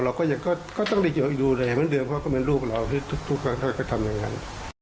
เราก็ต้องดูแบบเหมือนเดิมเพราะมันเป็นรูปเราทุกครั้งก็ทำอย่างนั้น